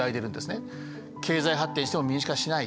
経済発展しても民主化しない。